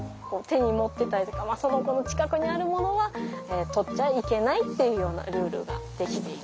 手に持ってたりとかその子の近くにあるものは取っちゃいけないっていうようなルールが出来ています。